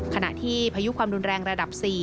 ขณะที่พายุความรุนแรงระดับ๔